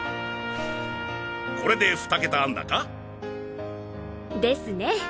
これで２ケタ安打か？ですね。